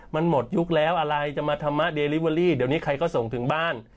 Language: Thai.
มันหมดยุคแล้วอะไรจะมาธรรมะเดลิเวอรี่เดี๋ยวนี้ใครก็ส่งถึงบ้าน